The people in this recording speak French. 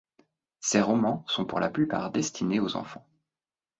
Ses romans sont pour la plupart destinés aux enfants.